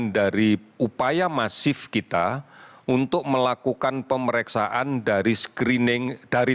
jadi kita masih melakukan pengawasan dari upaya masif kita untuk melakukan pemeriksaan dari